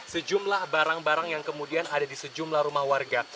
sejumlah barang barang yang kemudian ada di sejumlah rumah warga